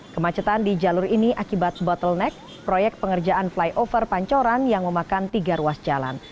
kemacetan di jalur ini akibat bottleneck proyek pengerjaan flyover pancoran yang memakan tiga ruas jalan